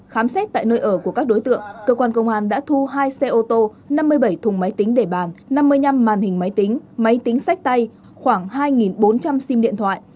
khám xét tại nơi ở của các đối tượng cơ quan công an đã thu hai xe ô tô năm mươi bảy thùng máy tính để bàn năm mươi năm màn hình máy tính máy tính sách tay khoảng hai bốn trăm linh sim điện thoại